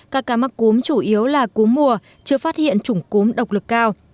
các ca mắc cúm chủ yếu là cúm mùa chưa phát hiện chủng cúm độc lực cao